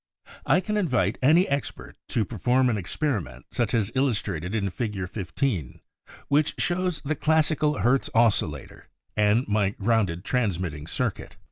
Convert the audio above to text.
I can invite any expert to perform an experiment such as is illustrated in Fig. 15, which shows the classical Hertz oscillator and my grounded transmitting circuit.